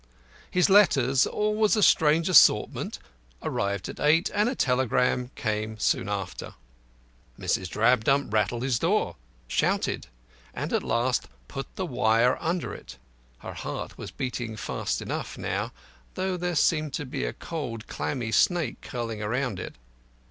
His letters, always a strange assortment, arrived at eight, and a telegram came soon after. Mrs. Drabdump rattled his door, shouted, and at last put the wire under it. Her heart was beating fast enough now, though there seemed to be a cold, clammy snake curling round it.